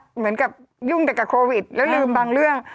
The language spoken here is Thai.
เหมือนกับยุ่งแต่กับโควิดแล้วลืมบางเรื่อง